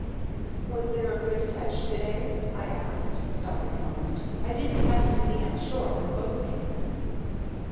"Was there a good catch to day?" I asked, stopping a moment. "I didn't happen to be on the shore when the boats came in."